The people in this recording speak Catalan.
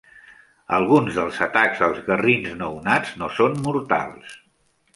Alguns dels atacs als garrins nounats no són mortals.